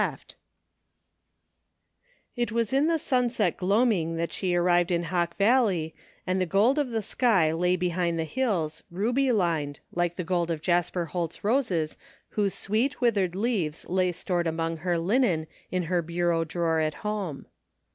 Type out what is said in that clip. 267 THE FINDING OF JASPER HOLT It was in the sunset gloaming that she arrived in Hawk Valley and the gold of the sky lay behind the hills, ruby lined, like the gold of Jasper Holt's roses whose sweet withered leaves lay stored among her linen in her bureau drawer at home.